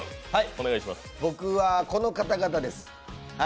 僕はこの方々です。